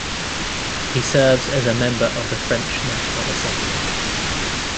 He serves as a Member of the French National Assembly.